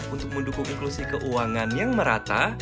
untuk mendukung inklusi keuangan yang merata